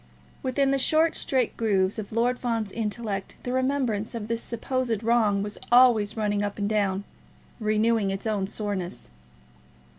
Within the short straight grooves of Lord Fawn's intellect the remembrance of this supposed wrong was always running up and down, renewing its own soreness.